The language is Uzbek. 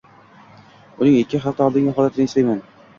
Uning ikki hafta oldingi holatini eslayman